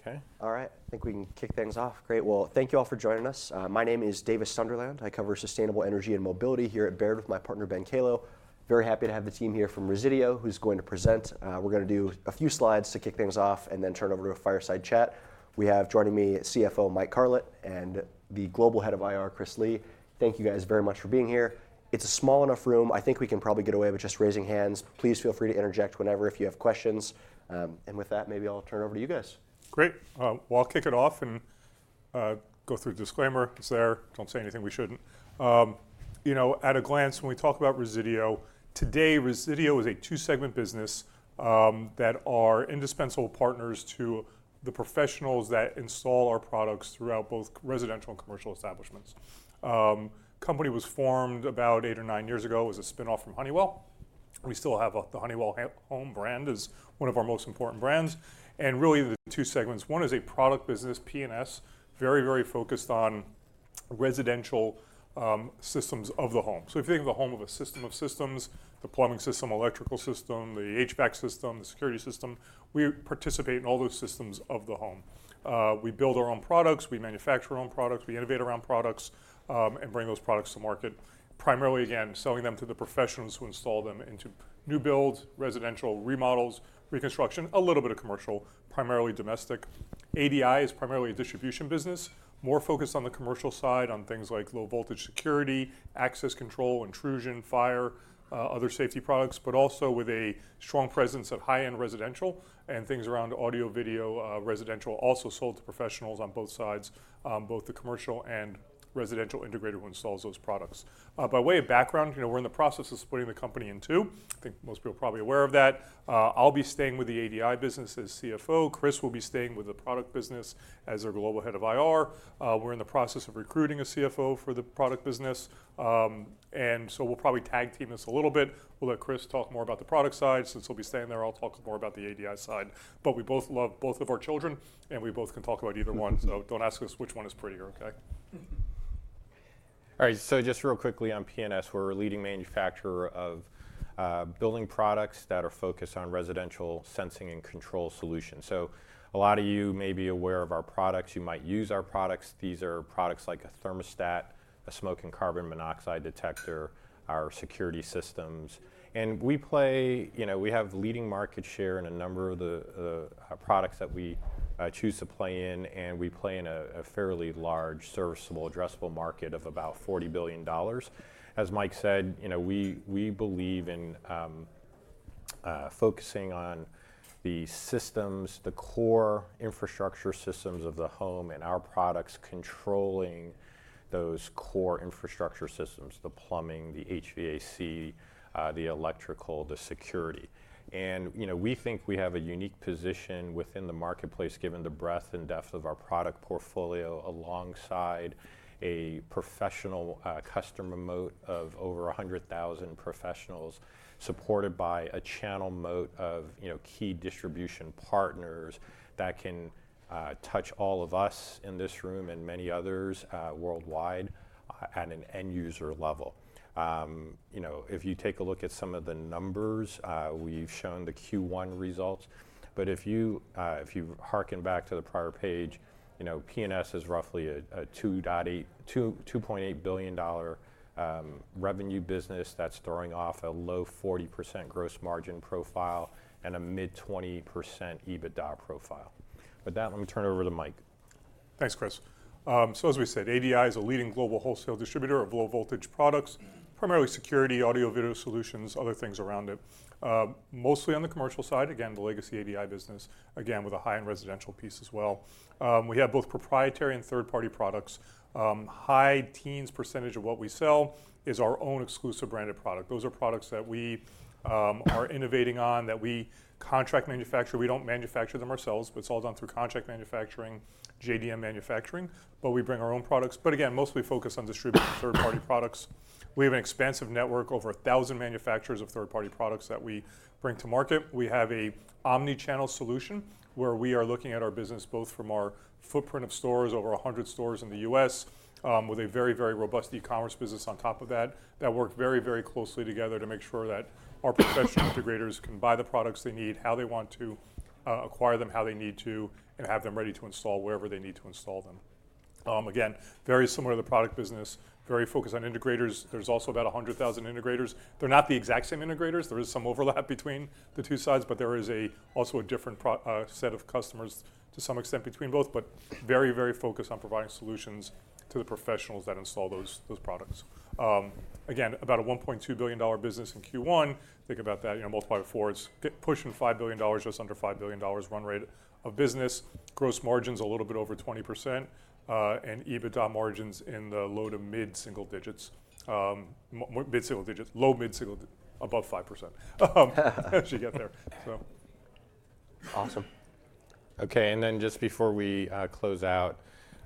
Okay. All right. I think we can kick things off. Great. Well, thank you all for joining us. My name is Davis Sunderland. I cover sustainable energy and mobility here at Baird with my partner Ben Kallo. Very happy to have the team here from Resideo who's going to present. We're going to do a few slides to kick things off and then turn over to a fireside chat. We have joining me CFO Mike Carlet and the global head of IR, Chris Lee. Thank you guys very much for being here. It's a small enough room. I think we can probably get away with just raising hands. Please feel free to interject whenever if you have questions. With that, maybe I'll turn it over to you guys. Great. Well, I'll kick it off and go through the disclaimer. It's there. Don't say anything we shouldn't. At a glance, when we talk about Resideo, today, Resideo is a two-segment business, that are indispensable partners to the professionals that install our products throughout both residential and commercial establishments. Company was formed about eight or nine years ago. It was a spinoff from Honeywell. We still have the Honeywell Home brand as one of our most important brands. Really there's two segments. One is a product business, P&S, very focused on residential systems of the home. If you think of the home of a system of systems, the plumbing system, electrical system, the HVAC system, the security system, we participate in all those systems of the home. We build our own products, we manufacture our own products. We innovate around products, and bring those products to market. Primarily, again, selling them to the professionals who install them into new builds, residential remodels, reconstruction, a little bit of commercial, primarily domestic. ADI is primarily a distribution business, more focused on the commercial side on things like low voltage security, access control, intrusion, fire, other safety products, but also with a strong presence of high-end residential and things around audio, video, residential also sold to professionals on both sides, both the commercial and residential integrator who installs those products. By way of background, we're in the process of splitting the company in two. I think most people are probably aware of that. I'll be staying with the ADI business as CFO. Chris will be staying with the product business as their Global Head of IR. We're in the process of recruiting a CFO for the product business. We'll probably tag team this a little bit. We'll let Chris talk more about the product side. Since he'll be staying there, I'll talk more about the ADI side. We both love both of our children, and we both can talk about either one, so don't ask us which one is prettier, okay? All right, just real quickly on P&S, we're a leading manufacturer of building products that are focused on residential sensing and control solutions. A lot of you may be aware of our products. You might use our products. These are products like a thermostat, a smoke and carbon monoxide detector, our security systems. We have leading market share in a number of the products that we choose to play in, and we play in a fairly large serviceable addressable market of about $40 billion. As Mike said, we believe in focusing on the systems, the core infrastructure systems of the home and our products controlling those core infrastructure systems, the plumbing, the HVAC, the electrical, the security. We think we have a unique position within the marketplace given the breadth and depth of our product portfolio alongside a professional customer moat of over 100,000 professionals supported by a channel moat of key distribution partners that can touch all of us in this room and many others worldwide at an end user level. If you take a look at some of the numbers, we've shown the Q1 results. If you harken back to the prior page, P&S is roughly a $2.8 billion revenue business that's throwing off a low 40% gross margin profile and a mid 20% EBITDA profile. With that, let me turn it over to Mike. Thanks, Chris. As we said, ADI is a leading global wholesale distributor of low voltage products, primarily security, audio, video solutions, other things around it. Mostly on the commercial side, again, the legacy ADI business, again, with a high-end residential piece as well. We have both proprietary and third-party products. High teens % of what we sell is our own exclusive branded product. Those are products that we are innovating on, that we contract manufacture. We don't manufacture them ourselves, but it's all done through contract manufacturing, JDM manufacturing, but we bring our own products. Again, mostly focused on distributing third-party products. We have an expansive network of over 1,000 manufacturers of third-party products that we bring to market. We have an omni-channel solution where we are looking at our business both from our footprint of stores, over 100 stores in the U.S., with a very robust e-commerce business on top of that work very closely together to make sure that our professional integrators can buy the products they need, how they want to acquire them, how they need to, and have them ready to install wherever they need to install them. Very similar to the product business, very focused on integrators. There's also about 100,000 integrators. They're not the exact same integrators. There is some overlap between the two sides, there is also a different set of customers to some extent between both, very focused on providing solutions to the professionals that install those products. About a $1.2 billion business in Q1. Think about that, multiply by four, it's pushing $5 billion, just under $5 billion run rate of business. Gross margin's a little bit over 20%, EBITDA margin's in the low to mid single digits. Mid single digits. Low mid single, above 5%. Actually get there. Awesome. Okay. Just before we close out,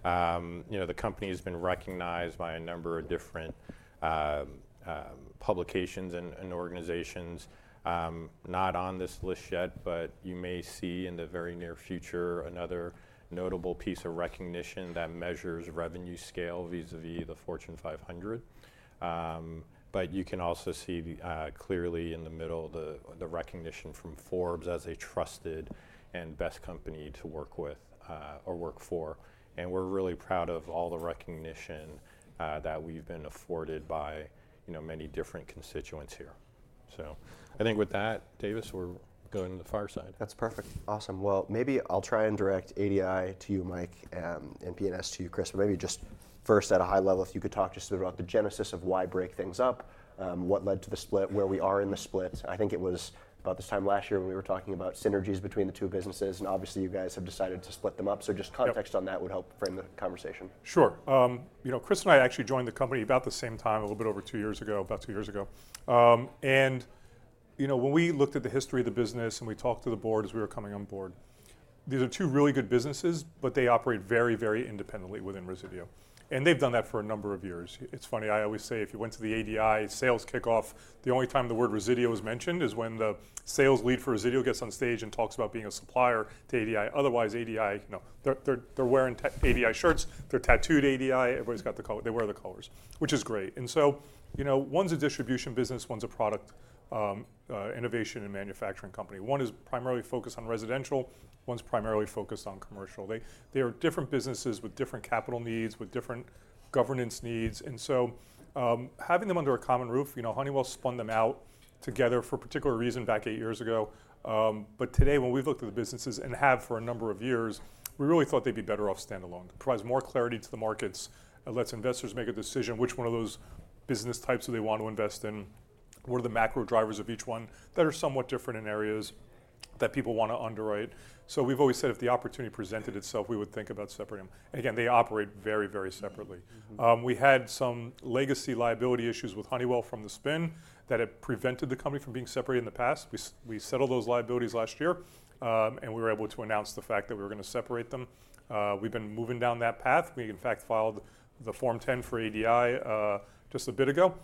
the company has been recognized by a number of different publications and organizations. Not on this list yet, but you may see in the very near future another notable piece of recognition that measures revenue scale vis-à-vis the Fortune 500. You can also see clearly in the middle the recognition from Forbes as a trusted and best company to work with, or work for. We're really proud of all the recognition that we've been afforded by many different constituents here. I think with that, Davis, we're going to the far side. That's perfect. Awesome. Well, maybe I'll try and direct ADI to you, Mike, and P&S to you, Chris. Maybe just first at a high level, if you could talk just about the genesis of why break things up, what led to the split, where we are in the split. I think it was about this time last year when we were talking about synergies between the two businesses, obviously you guys have decided to split them up. Just context on that would help frame the conversation. Sure. Chris and I actually joined the company about the same time, a little bit over two years ago. About two years ago. When we looked at the history of the business, and we talked to the board as we were coming on board, these are two really good businesses, but they operate very independently within Resideo. They've done that for a number of years. It's funny, I always say, if you went to the ADI sales kickoff, the only time the word Resideo is mentioned is when the sales lead for Resideo gets on stage and talks about being a supplier to ADI. Otherwise, ADI, they're wearing ADI shirts, they're tattooed ADI. Everybody's got the color. They wear the colors, which is great. One's a distribution business, one's a product innovation and manufacturing company. One is primarily focused on residential, one's primarily focused on commercial. They are different businesses with different capital needs, with different governance needs, and so having them under a common roof, Honeywell spun them out together for a particular reason back eight years ago. Today, when we've looked at the businesses, and have for a number of years, we really thought they'd be better off standalone. It provides more clarity to the markets. It lets investors make a decision which one of those business types do they want to invest in. What are the macro drivers of each one that are somewhat different in areas that people want to underwrite? We've always said if the opportunity presented itself, we would think about separating them. Again, they operate very separately. We had some legacy liability issues with Honeywell from the spin that had prevented the company from being separated in the past. We settled those liabilities last year, and we were able to announce the fact that we were going to separate them. We've been moving down that path. We, in fact, filed the Form 10 for ADI just a bit ago,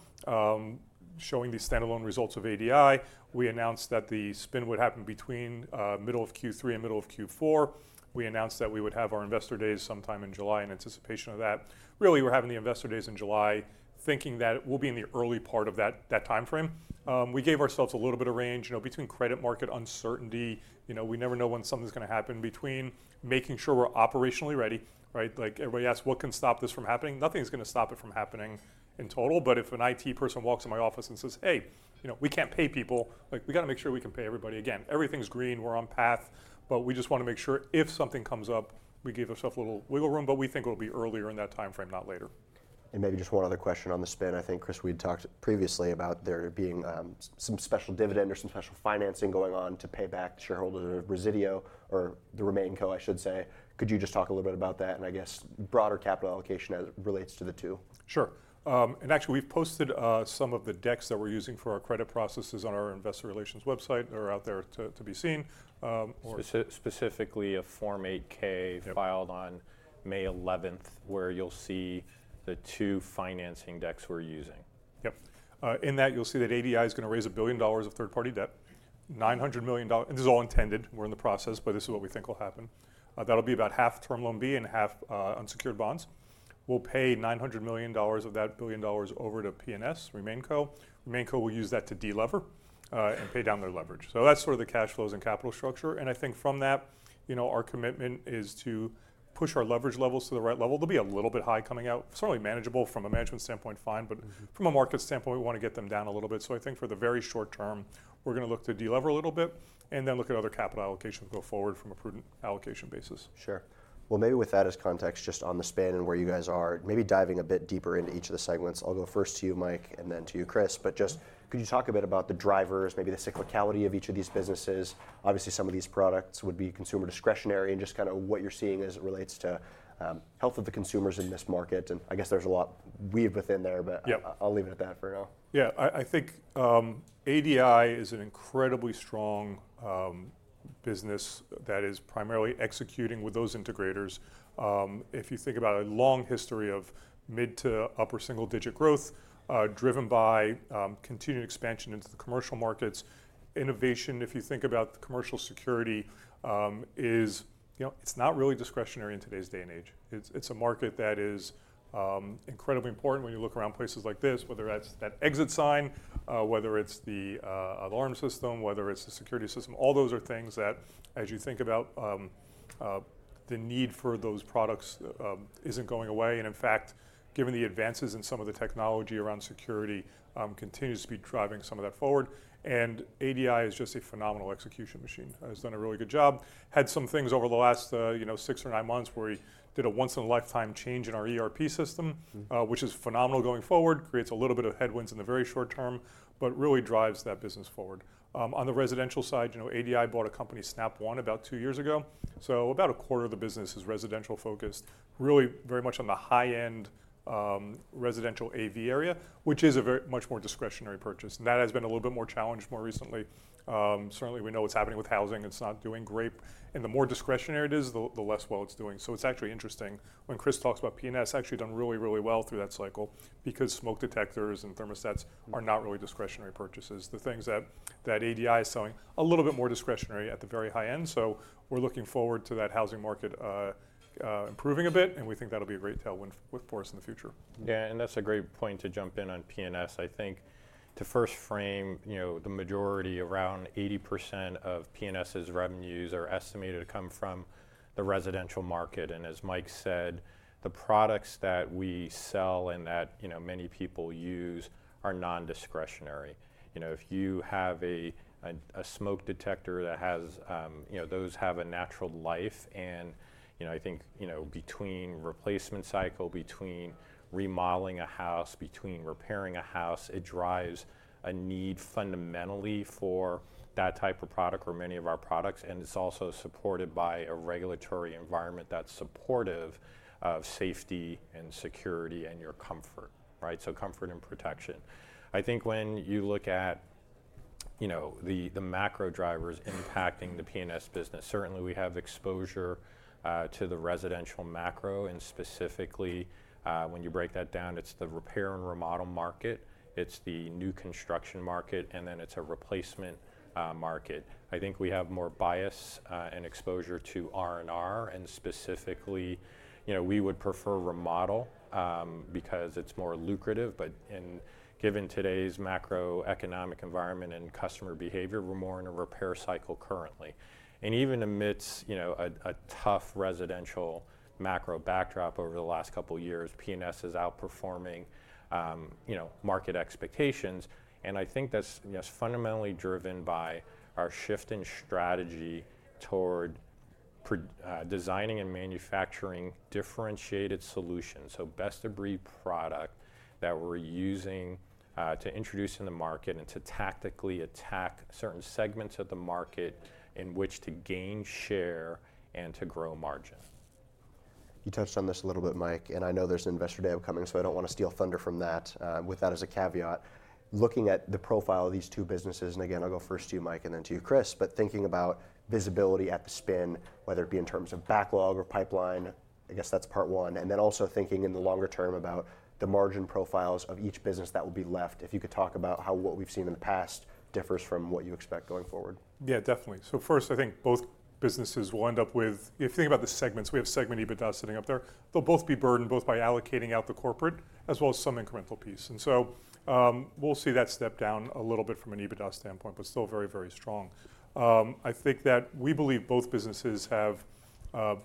showing the standalone results of ADI. We announced that the spin would happen between middle of Q3 and middle of Q4. We announced that we would have our investor days sometime in July in anticipation of that. Really, we're having the investor days in July thinking that it will be in the early part of that timeframe. We gave ourselves a little bit of range. Between credit market uncertainty, we never know when something's going to happen between making sure we're operationally ready, right? Everybody asks, "What can stop this from happening?" Nothing's going to stop it from happening in total. If an IT person walks in my office and says, "Hey, we can't pay people." We got to make sure we can pay everybody. Again, everything's green, we're on path, but we just want to make sure if something comes up, we give ourself a little wiggle room. We think it'll be earlier in that timeframe, not later. Maybe just one other question on the spin. I think, Chris, we'd talked previously about there being some special dividend or some special financing going on to pay back shareholders of Resideo or the RemainCo, I should say. Could you just talk a little bit about that and I guess broader capital allocation as it relates to the two? Sure. Actually, we've posted some of the decks that we're using for our credit processes on our investor relations website. They're out there to be seen. Specifically, a Form 8-K- Yep. ...filed on May 11th, where you'll see the two financing decks we're using. In that, you'll see that ADI is going to raise $1 billion of third-party debt, $900 million. This is all intended. We're in the process, but this is what we think will happen. That'll be about half Term Loan B and half unsecured bonds. We'll pay $900 million of that $1 billion over to P&S, RemainCo. RemainCo will use that to delever and pay down their leverage. That's sort of the cash flows and capital structure. I think from that, our commitment is to push our leverage levels to the right level. They'll be a little bit high coming out. Certainly manageable. From a management standpoint, fine. From a market standpoint, we want to get them down a little bit. I think for the very short term, we're going to look to de-lever a little bit and then look at other capital allocations go forward from a prudent allocation basis. Sure. Well, maybe with that as context, just on the span and where you guys are, maybe diving a bit deeper into each of the segments. I'll go first to you, Mike, and then to you, Chris. Just could you talk a bit about the drivers, maybe the cyclicality of each of these businesses? Obviously, some of these products would be consumer discretionary, and just kind of what you're seeing as it relates to health of the consumers in this market. I guess there's a lot weaved within there. Yep. I'll leave it at that for now. I think ADI is an incredibly strong business that is primarily executing with those integrators. If you think about a long history of mid to upper single-digit growth, driven by continued expansion into the commercial markets, innovation, if you think about the commercial security, it's not really discretionary in today's day and age. It's a market that is incredibly important when you look around places like this, whether that's that exit sign, whether it's the alarm system, whether it's the security system. All those are things that, as you think about the need for those products, isn't going away. In fact, given the advances in some of the technology around security, continues to be driving some of that forward. ADI is just a phenomenal execution machine. It has done a really good job. Had some things over the last six or nine months where we did a once in a lifetime change in our ERP system. Which is phenomenal going forward. Creates a little bit of headwinds in the very short term, but really drives that business forward. On the residential side, ADI bought a company, Snap One, about two years ago. About a quarter of the business is residential focused, really very much on the high end residential AV area, which is a much more discretionary purchase. That has been a little bit more challenged more recently. Certainly, we know what's happening with housing. It's not doing great. The more discretionary it is, the less well it's doing. It's actually interesting. When Chris talks about P&S, actually done really well through that cycle because smoke detectors and thermostats are not really discretionary purchases. The things that ADI is selling, a little bit more discretionary at the very high end. We're looking forward to that housing market improving a bit, and we think that'll be a great tailwind for us in the future. Yeah, that's a great point to jump in on P&S. I think to first frame, the majority, around 80% of P&S's revenues are estimated to come from the residential market. As Mike said, the products that we sell and that many people use are non-discretionary. If you have a smoke detector, those have a natural life and I think, between replacement cycle, between remodeling a house, between repairing a house, it drives a need fundamentally for that type of product or many of our products. It's also supported by a regulatory environment that's supportive of safety and security and your comfort, right? Comfort and protection. I think when you look at the macro drivers impacting the P&S business. Certainly, we have exposure to the residential macro, and specifically when you break that down, it's the repair and remodel market, it's the new construction market, and then it's a replacement market. I think we have more bias and exposure to R&R, and specifically, we would prefer remodel because it's more lucrative. Given today's macroeconomic environment and customer behavior, we're more in a repair cycle currently. Even amidst a tough residential macro backdrop over the last couple of years, P&S is outperforming market expectations. I think that's fundamentally driven by our shift in strategy toward designing and manufacturing differentiated solutions. Best-of-breed product that we're using to introduce in the market and to tactically attack certain segments of the market in which to gain share and to grow margin. You touched on this a little bit, Mike, and I know there's an Investor Day coming, so I don't want to steal thunder from that. With that as a caveat, looking at the profile of these two businesses, and again, I'll go first to you, Mike, and then to you, Chris, but thinking about visibility at the spin, whether it be in terms of backlog or pipeline, I guess that's part one. Then also thinking in the longer term about the margin profiles of each business that will be left. If you could talk about how what we've seen in the past differs from what you expect going forward. Yeah, definitely. First, I think both businesses, if you think about the segments, we have segment EBITDA sitting up there. They'll both be burdened both by allocating out the corporate as well as some incremental piece. We'll see that step down a little bit from an EBITDA standpoint, but still very strong. I think that we believe both businesses have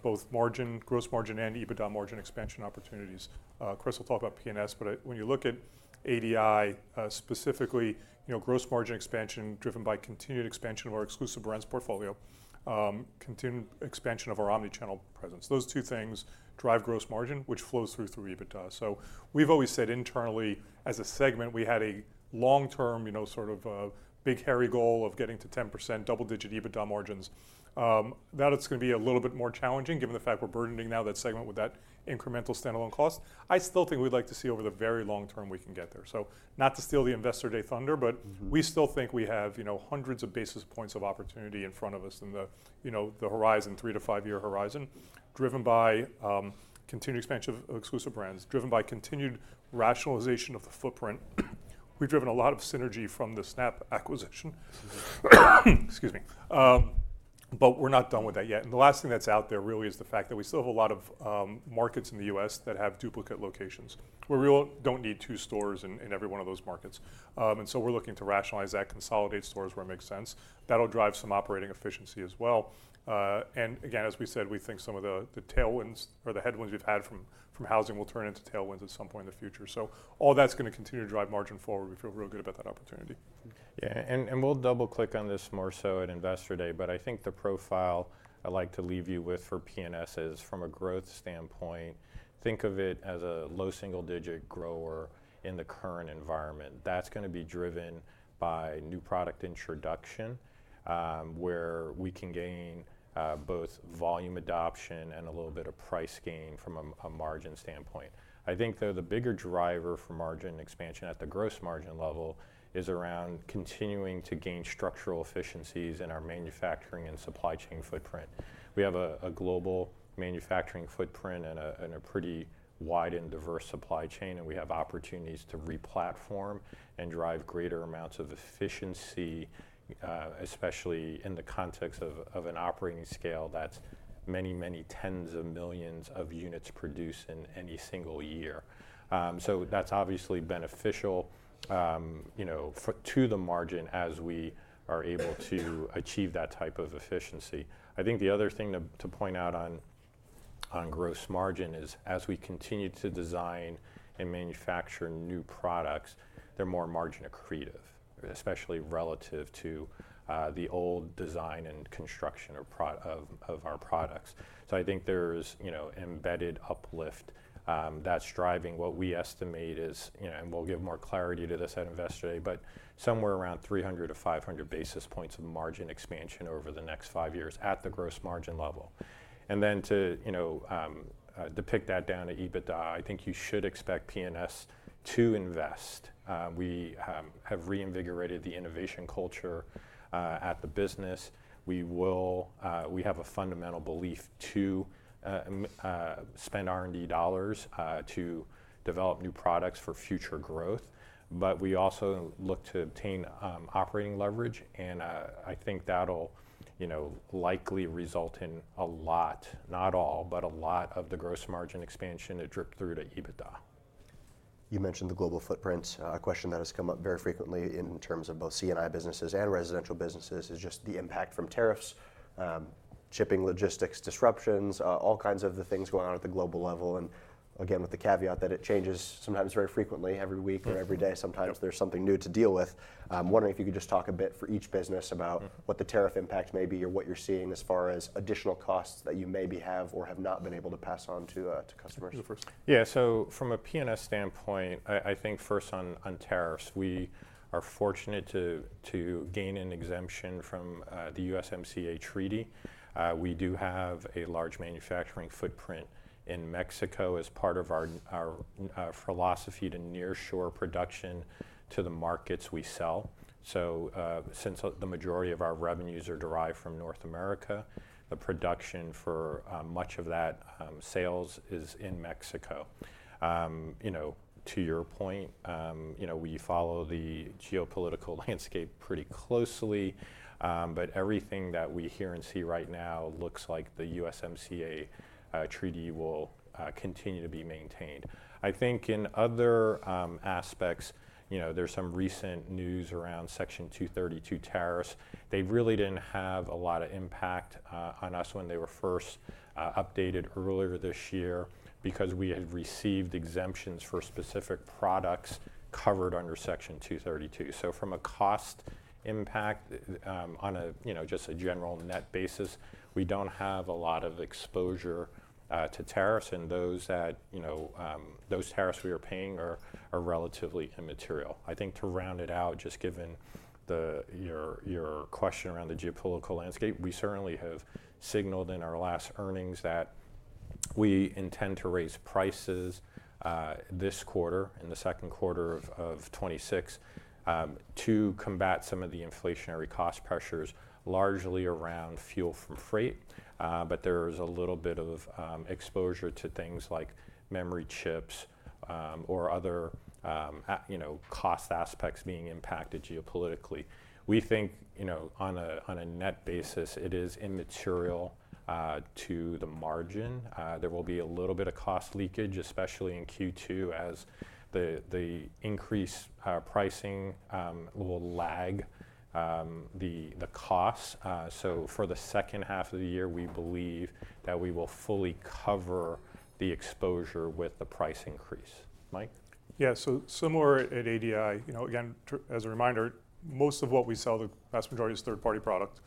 both margin, gross margin, and EBITDA margin expansion opportunities. Chris will talk about P&S, but when you look at ADI, specifically, gross margin expansion driven by continued expansion of our exclusive brands portfolio, continued expansion of our omni-channel presence. Those two things drive gross margin, which flows through to EBITDA. We've always said internally, as a segment, we had a long-term sort of a big hairy goal of getting to 10% double-digit EBITDA margins. That is going to be a little bit more challenging given the fact we're burdening now that segment with that incremental standalone cost. I still think we'd like to see over the very long term we can get there. Not to steal the Investor Day thunder, but we still think we have hundreds of basis points of opportunity in front of us in the three- to five-year horizon, driven by continued expansion of exclusive brands, driven by continued rationalization of the footprint. We've driven a lot of synergy from the Snap acquisition. Excuse me. We're not done with that yet. The last thing that's out there really is the fact that we still have a lot of markets in the U.S. that have duplicate locations, where we really don't need two stores in every one of those markets. We're looking to rationalize that, consolidate stores where it makes sense. That'll drive some operating efficiency as well. Again, as we said, we think some of the headwinds we've had from housing will turn into tailwinds at some point in the future. All that's going to continue to drive margin forward. We feel real good about that opportunity. Yeah. We'll double-click on this more so at Investor Day, but I think the profile I'd like to leave you with for P&S is from a growth standpoint, think of it as a low single-digit grower in the current environment. That's going to be driven by new product introduction, where we can gain both volume adoption and a little bit of price gain from a margin standpoint. I think, though, the bigger driver for margin expansion at the gross margin level is around continuing to gain structural efficiencies in our manufacturing and supply chain footprint. We have a global manufacturing footprint and a pretty wide and diverse supply chain. We have opportunities to re-platform and drive greater amounts of efficiency, especially in the context of an operating scale that's many tens of millions of units produced in any single year. That's obviously beneficial to the margin as we are able to achieve that type of efficiency. I think the other thing to point out on gross margin is as we continue to design and manufacture new products, they're more margin accretive, especially relative to the old design and construction of our products. I think there's embedded uplift that's driving what we estimate is, and we'll give more clarity to this at Investor Day, but somewhere around 300 basis points-500 basis points of margin expansion over the next five years at the gross margin level. To pick that down to EBITDA, I think you should expect P&S to invest. We have reinvigorated the innovation culture at the business. We have a fundamental belief to spend R&D dollars to develop new products for future growth. We also look to obtain operating leverage. I think that'll likely result in a lot, not all, but a lot of the gross margin expansion to drip through to EBITDA. You mentioned the global footprint. A question that has come up very frequently in terms of both C&I businesses and residential businesses is just the impact from tariffs, shipping logistics disruptions, all kinds of the things going on at the global level. Again, with the caveat that it changes sometimes very frequently, every week or every day, sometimes there's something new to deal with. I'm wondering if you could just talk a bit for each business about what the tariff impact may be or what you're seeing as far as additional costs that you maybe have or have not been able to pass on to customers. You go first. From a P&S standpoint, I think first on tariffs, we are fortunate to gain an exemption from the USMCA treaty. We do have a large manufacturing footprint in Mexico as part of our philosophy to nearshore production to the markets we sell. Since the majority of our revenues are derived from North America, the production for much of that sales is in Mexico. To your point, we follow the geopolitical landscape pretty closely. Everything that we hear and see right now looks like the USMCA treaty will continue to be maintained. I think in other aspects, there's some recent news around Section 232 tariffs. They really didn't have a lot of impact on us when they were first updated earlier this year because we had received exemptions for specific products covered under Section 232. From a cost impact, on just a general net basis, we don't have a lot of exposure to tariffs and those tariffs we are paying are relatively immaterial. I think to round it out, just given your question around the geopolitical landscape, we certainly have signaled in our last earnings that we intend to raise prices this quarter, in the second quarter of 2026, to combat some of the inflationary cost pressures, largely around fuel for freight. There's a little bit of exposure to things like memory chips or other cost aspects being impacted geopolitically. We think, on a net basis, it is immaterial to the margin. There will be a little bit of cost leakage, especially in Q2, as the increased pricing will lag the costs. For the second half of the year, we believe that we will fully cover the exposure with the price increase. Mike? Yeah. Similar at ADI. Again, as a reminder, most of what we sell, the vast majority, is third-party product.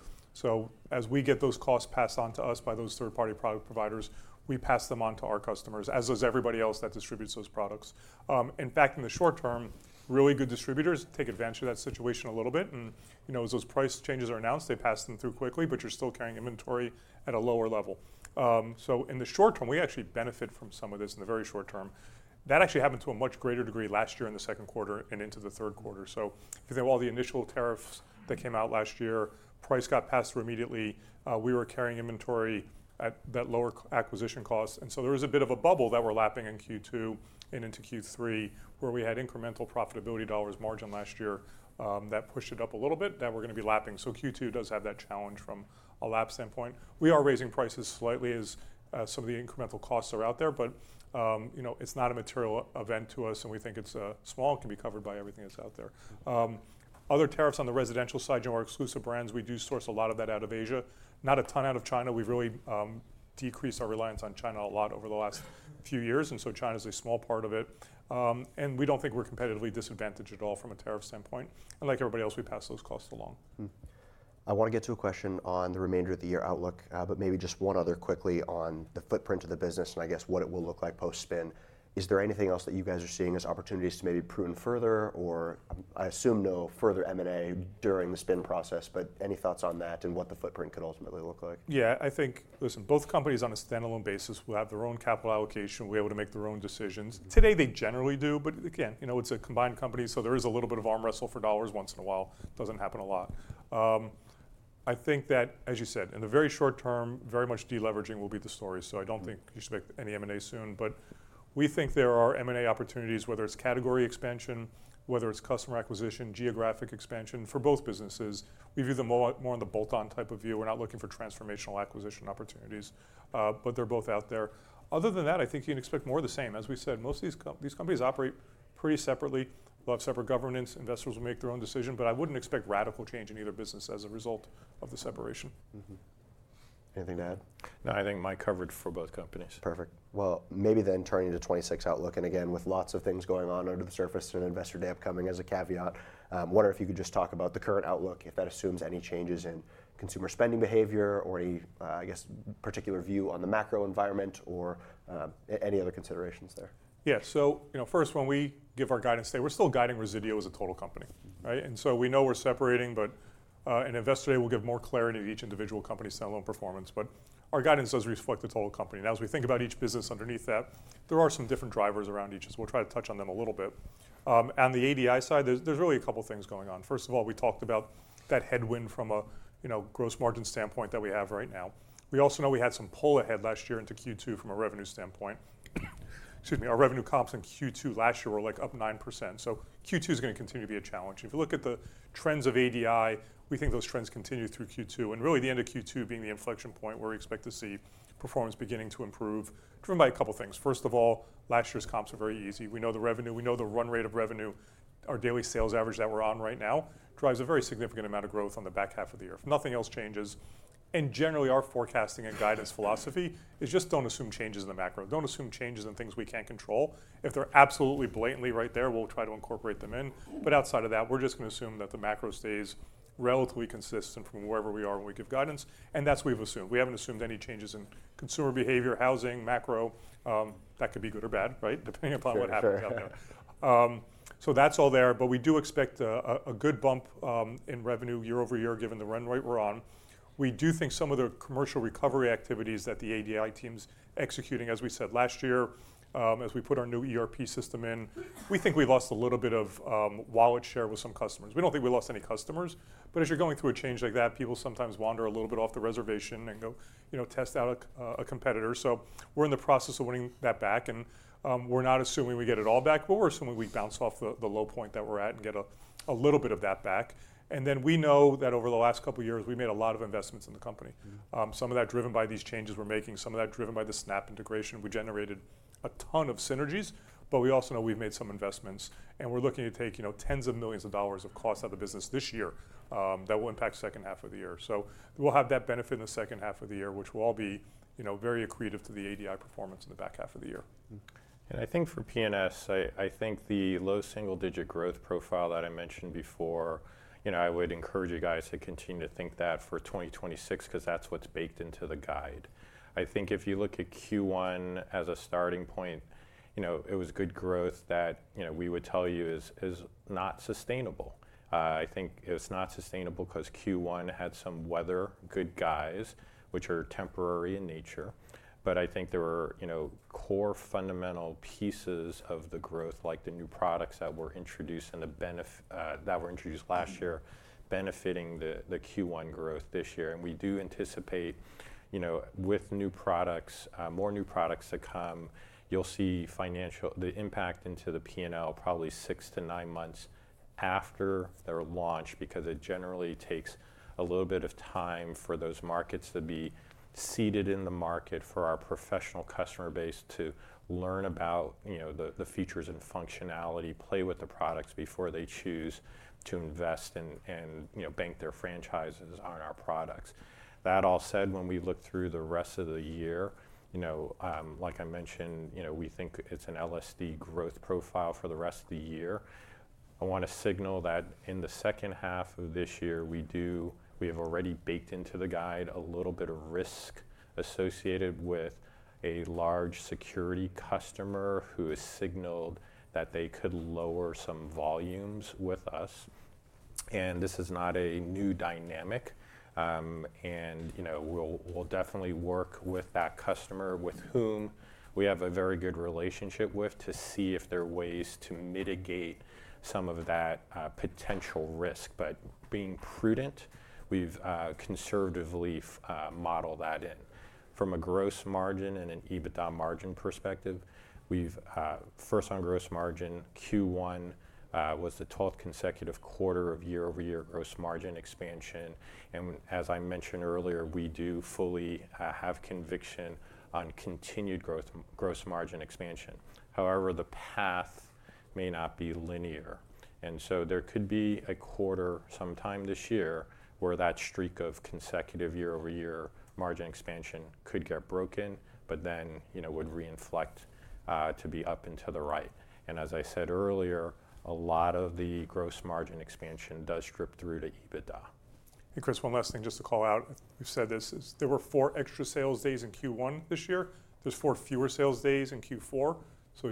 As we get those costs passed on to us by those third-party product providers, we pass them on to our customers, as does everybody else that distributes those products. In fact, in the short term, really good distributors take advantage of that situation a little bit and, as those price changes are announced, they pass them through quickly, but you're still carrying inventory at a lower level. In the short term, we actually benefit from some of this in the very short term. That actually happened to a much greater degree last year in the second quarter and into the third quarter. If you think of all the initial tariffs that came out last year, price got passed through immediately. We were carrying inventory at that lower acquisition cost. There was a bit of a bubble that we're lapping in Q2 and into Q3 where we had incremental profitability dollars margin last year, that pushed it up a little bit, that we're going to be lapping. Q2 does have that challenge from a lap standpoint. We are raising prices slightly as some of the incremental costs are out there, but it's not a material event to us, and we think it's small and can be covered by everything that's out there. Other tariffs on the residential side, our exclusive brands, we do source a lot of that out of Asia. Not a ton out of China. We've really decreased our reliance on China a lot over the last few years, and so China's a small part of it. We don't think we're competitively disadvantaged at all from a tariff standpoint. Like everybody else, we pass those costs along. I want to get to a question on the remainder of the year outlook. Maybe just one other quickly on the footprint of the business and I guess what it will look like post-spin. Is there anything else that you guys are seeing as opportunities to maybe prune further or, I assume no further M&A during the spin process, but any thoughts on that and what the footprint could ultimately look like? I think, listen, both companies on a standalone basis will have their own capital allocation, will be able to make their own decisions. Today they generally do, but again, it's a combined company, so there is a little bit of arm wrestle for dollars once in a while. Doesn't happen a lot. I think that, as you said, in the very short term, very much deleveraging will be the story. I don't think you should expect any M&A soon, but we think there are M&A opportunities, whether it's category expansion, whether it's customer acquisition, geographic expansion for both businesses. We view them more on the bolt-on type of view. We're not looking for transformational acquisition opportunities. They're both out there. Other than that, I think you can expect more of the same. As we said, most of these companies operate pretty separately, they'll have separate governance. Investors will make their own decision. I wouldn't expect radical change in either business as a result of the separation. Mm-hmm. Anything to add? No, I think Mike covered for both companies. Perfect. Well, maybe turning to 2026 outlook, again, with lots of things going on under the surface and Investor Day upcoming as a caveat, I wonder if you could just talk about the current outlook, if that assumes any changes in consumer spending behavior or a, I guess, particular view on the macro environment or any other considerations there. Yeah. First when we give our guidance today, we're still guiding Resideo as a total company. Right? We know we're separating, Investor Day will give more clarity to each individual company's standalone performance. Our guidance does reflect the total company. Now, as we think about each business underneath that, there are some different drivers around each, as we'll try to touch on them a little bit. On the ADI side, there's really a couple things going on. First of all, we talked about that headwind from a gross margin standpoint that we have right now. We also know we had some pull ahead last year into Q2 from a revenue standpoint. Excuse me, our revenue comps in Q2 last year were up 9%. Q2's going to continue to be a challenge. If you look at the trends of ADI, we think those trends continue through Q2, and really the end of Q2 being the inflection point where we expect to see performance beginning to improve, driven by a couple of things. First of all, last year's comps were very easy. We know the revenue, we know the run rate of revenue. Our daily sales average that we're on right now drives a very significant amount of growth on the back half of the year. If nothing else changes, and generally our forecasting and guidance philosophy is just don't assume changes in the macro. Don't assume changes in things we can't control. If they're absolutely blatantly right there, we'll try to incorporate them in. Outside of that, we're just going to assume that the macro stays relatively consistent from wherever we are when we give guidance, and that's what we've assumed. We haven't assumed any changes in consumer behavior, housing, macro. That could be good or bad, right? Depending upon what happens out there. Sure. That's all there, but we do expect a good bump in revenue year-over-year given the run rate we're on. We do think some of the commercial recovery activities that the ADI team's executing, as we said, last year, as we put our new ERP system in, we think we lost a little bit of wallet share with some customers. We don't think we lost any customers, but as you're going through a change like that, people sometimes wander a little bit off the reservation and go test out a competitor. We're in the process of winning that back, and we're not assuming we get it all back, but we're assuming we bounce off the low point that we're at and get a little bit of that back. We know that over the last couple of years, we made a lot of investments in the company. Some of that driven by these changes we're making, some of that driven by the Snap integration. We generated a ton of synergies, but we also know we've made some investments and we're looking to take tens of millions of dollars of costs out of the business this year that will impact the second half of the year. We'll have that benefit in the second half of the year, which will all be very accretive to the ADI performance in the back half of the year. I think for P&S, I think the low single-digit growth profile that I mentioned before, I would encourage you guys to continue to think that for 2026 because that's what's baked into the guide. I think if you look at Q1 as a starting point, it was good growth that we would tell you is not sustainable. I think it's not sustainable because Q1 had some weather good guys, which are temporary in nature. I think there were core fundamental pieces of the growth, like the new products that were introduced last year benefiting the Q1 growth this year. We do anticipate with more new products to come, you'll see the impact into the P&L probably six to nine months after their launch because it generally takes a little bit of time for those markets to be seeded in the market for our professional customer base to learn about the features and functionality, play with the products before they choose to invest and bank their franchises on our products. That all said, when we look through the rest of the year, like I mentioned, we think it's an LSD growth profile for the rest of the year. I want to signal that in the second half of this year, we have already baked into the guide a little bit of risk associated with a large security customer who has signaled that they could lower some volumes with us. This is not a new dynamic. We'll definitely work with that customer, with whom we have a very good relationship with, to see if there are ways to mitigate some of that potential risk. Being prudent, we've conservatively modeled that in. From a gross margin and an EBITDA margin perspective, first on gross margin, Q1 was the 12th consecutive quarter of year-over-year gross margin expansion. As I mentioned earlier, we do fully have conviction on continued gross margin expansion. However, the path may not be linear. So there could be a quarter sometime this year where that streak of consecutive year-over-year margin expansion could get broken, but then would reinflate to be up and to the right. As I said earlier, a lot of the gross margin expansion does strip through to EBITDA. Hey, Chris, one last thing just to call out. You've said this is, there were four extra sales days in Q1 this year. There's four fewer sales days in Q4.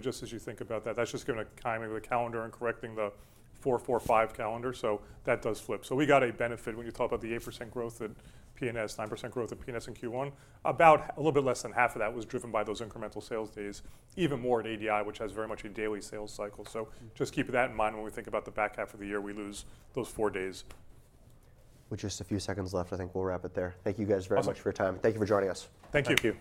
Just as you think about that's just kind of the calendar and correcting the 4-4-5 calendar. That does flip. We got a benefit when you talk about the 8% growth at P&S, 9% growth at P&S in Q1. About a little bit less than half of that was driven by those incremental sales days, even more at ADI, which has very much a daily sales cycle. Just keep that in mind when we think about the back half of the year, we lose those four days. With just a few seconds left, I think we'll wrap it there. Thank you guys very much for your time. Awesome. Thank you for joining us. Thank you. Thank you.